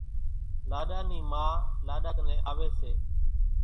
لاڏا نِي ما لاڏا ڪنين آوي سي